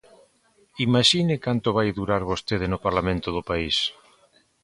¡Imaxine canto vai durar vostede no Parlamento do país!